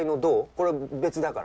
これは別だから。